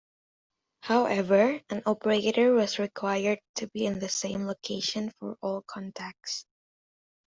However, an operator was required to be in the same location for all contacts.